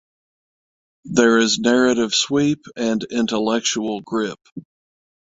There is narrative sweep and intellectual grip.